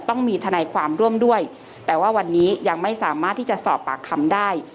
ต้องมีทนายความร่วมด้วยแต่ว่าวันนี้ยังไม่สามารถที่จะสอบปากคำได้